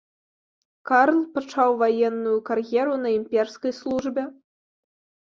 Карл пачаў ваенную кар'еру на імперскай службе.